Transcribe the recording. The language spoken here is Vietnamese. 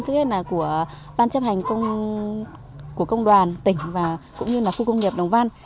thứ nhất là của ban chấp hành của công đoàn tỉnh và cũng như là khu công nghiệp đồng văn